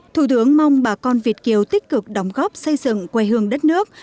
thủ tướng mong bà con việt kiều tích cực đóng góp xây dựng quê hương đất nước